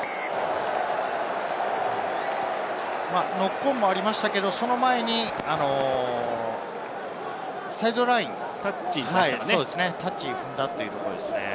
ノックオンもありましたけれど、その前にサイドライン、タッチを踏んだというところですね。